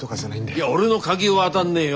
いや俺のカキはあだんねえよ。